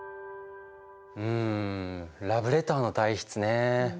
うんラブレターの代筆ねえ。